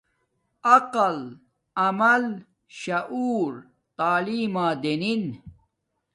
عقل ۔عمل۔ شعور تلیم ما دینن